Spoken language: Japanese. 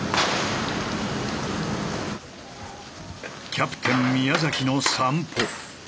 キャプテン宮の散歩。